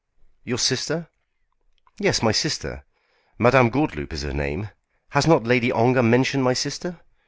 "Your sister?" "Yes, my sister. Madame Gordeloup is her name. Has not Lady Ongar mentioned my sister?